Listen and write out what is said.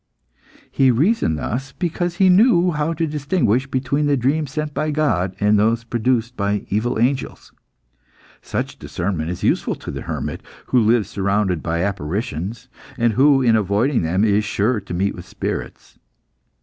He reasoned thus because he knew how to distinguish between the dreams sent by God and those produced by evil angels. Such discernment is useful to the hermit, who lives surrounded by apparitions, and who, in avoiding men, is sure to meet with spirits.